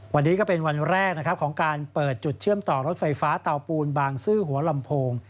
วันนี้ก็เป็นวันแรกนะครับของการเปิดจุดเชื่อมต่อรถไฟฟ้าเตาปูนบางซื่อหัวลำโพง